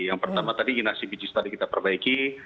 yang pertama tadi inasi biji tadi kita perbaiki